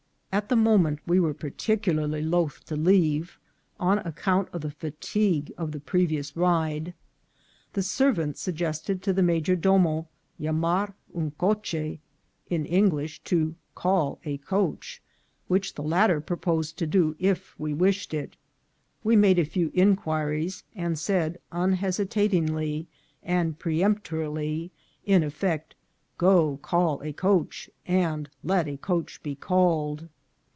At the moment we were particularly loth to leave, on account of the fatigue of the previous ride. The servant suggested to the major domo llamar un coche ; in English, to " call a coach," which the latter proposed to do if we wished it. We made a few inquiries, and said, unhesitatingly and peremptorily, in effect, " Go call a coach, and let a coach be called."